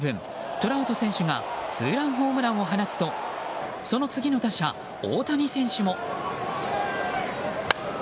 トラウト選手がツーランホームランを放つとその次の打者、大谷選手も。